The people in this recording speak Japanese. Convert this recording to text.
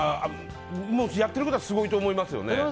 やってることはすごいと思いますよね。